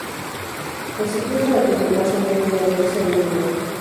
El cetro era la principal señal de la realeza en Númenor.